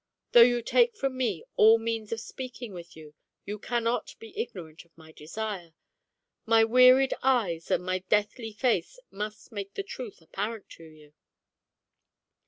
Though you take from me all means of speaking with you, you cannot be ignorant of my desire; my wearied eyes and my deathly face must make the truth apparent to you."